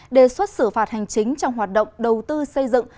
đề xuất xử phạt hành chính trong hoạt động đầu tư xây dựng